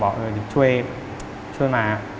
บอกช่วยมา